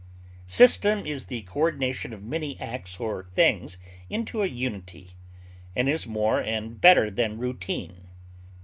System is the coordination of many acts or things into a unity, and is more and better than routine.